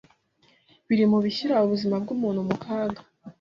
biri mu bishyira ubuzima bw’umuntu mu kaga